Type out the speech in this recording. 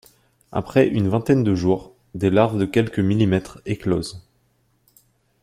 Après une vingtaine de jours, des larves de quelques millimètres éclosent.